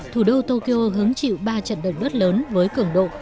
thủ đô tokyo hứng chịu ba trận động đất lớn với cường độ